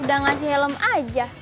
udah ngasih helm aja